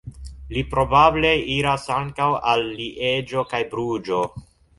Li probable iras ankaŭ al Lieĝo kaj Bruĝo.